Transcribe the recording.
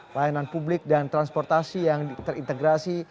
layanan publik dan transportasi yang terintegrasi